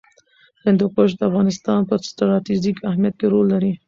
هندوکش د افغانستان په ستراتیژیک اهمیت کې رول لري.